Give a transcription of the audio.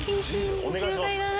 お願いします。